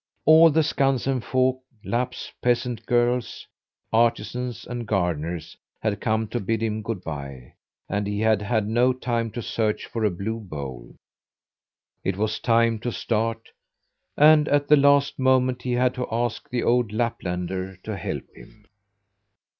All the Skansen folk Lapps, peasant girls, artisans, and gardeners had come to bid him good bye, and he had had no time to search for a blue bowl. It was time to start, and at the last moment he had to ask the old Laplander to help him.